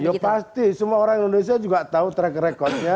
ya pasti semua orang indonesia juga tahu track recordnya